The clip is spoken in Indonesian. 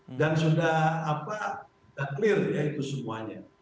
sudah clear ya itu semuanya